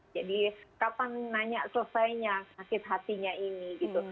jadi kapan nanya selesainya sakit hatinya ini gitu